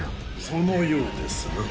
そのようですな。